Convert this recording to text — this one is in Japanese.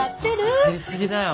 焦り過ぎだよ。